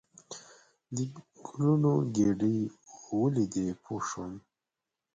د ګلونو ګېدۍ ولیدې پوه شوم.